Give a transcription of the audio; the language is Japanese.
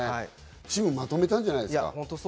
チームをまとめたんじゃないですか。